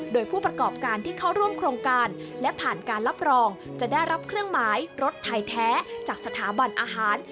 โดยผู้ประกอบการที่เข้าร่วมโครงการและผ่านการรับรองจะได้รับเครื่องหมายรถไทยแท้จากสถาบันอาหาร